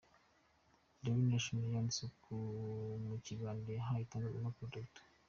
Daily Nation yanditse ko mu kiganiro yahaye itangazamakuru, Dr.